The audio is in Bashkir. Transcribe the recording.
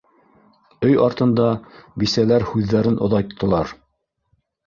Өй артында бисәләр һүҙҙәрен оҙайттылар: